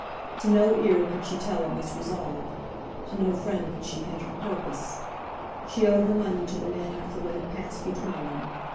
To no ear could she tell of this resolve. To no friend could she hint her purpose. She owed her money to the man after what had passed between them.